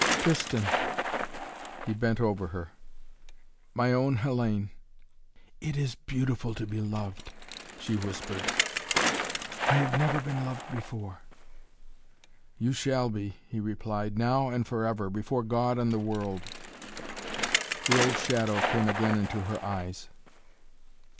"Tristan!" He bent over her. "My own Hellayne!" "It is beautiful to be loved," she whispered. "I have never been loved before." "You shall be," he replied, "now and forever, before God and the world!" The old shadow came again into her eyes.